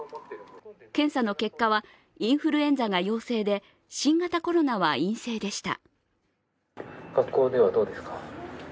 検査の結果はインフルエンザが陽性で新型コロナは陰性でした。